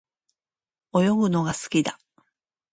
泳ぐのが好きだ。